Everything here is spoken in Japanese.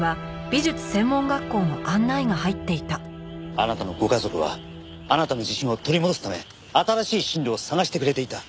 あなたのご家族はあなたの自信を取り戻すため新しい進路を探してくれていた。